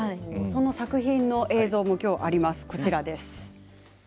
その作品の映像もあります。